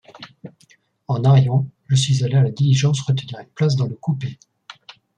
En arrivant, je suis allé à la diligence retenir une place dans le coupé.